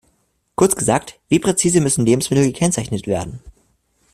Kurz gesagt, wie präzise müssen Lebensmittel gekennzeichnet werden?